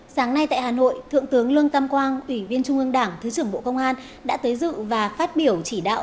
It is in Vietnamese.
sáng nay tại hà nội thượng tướng lương tam quang ủy viên trung ương đảng thứ trưởng bộ công an đã tới dự và phát biểu chỉ đạo